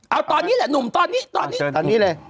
เอาตอนนี้แหละหนุ่มตอนนี้ตอนนี้เลย